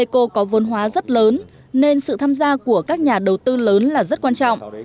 eco có vốn hóa rất lớn nên sự tham gia của các nhà đầu tư lớn là rất quan trọng